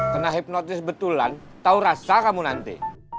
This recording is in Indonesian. kena hipnotis betulan tau rasa kamu nanti